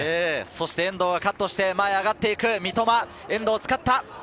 遠藤がカットして前に上がっていく、遠藤を使った。